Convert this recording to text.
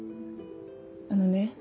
あのね